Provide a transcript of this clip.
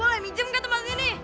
boleh minjem ke tempat ini